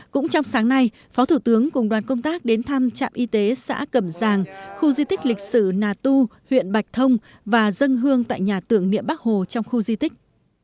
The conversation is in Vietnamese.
cũng trong sáng nay phó thủ tướng cùng đoàn công tác đến thăm trạm y tế xã cẩm giàng khu di tích lịch sử nà tu huyện bạch thông và dân hương tại nhà tưởng niệm bắc hồ trong khu di tích